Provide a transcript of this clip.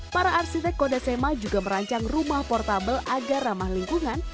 para arsitek kodasema juga merancang rumah portable agar ramah lingkungan